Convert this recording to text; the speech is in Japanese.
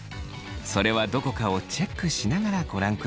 それはどこかをチェックしながらご覧ください。